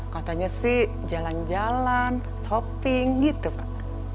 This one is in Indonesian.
katanya sih jalan jalan shopping gitu pak